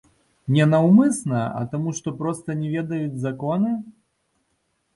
Не наўмысна, а таму што проста не ведаюць законы?